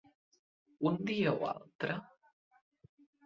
Un dia o altre.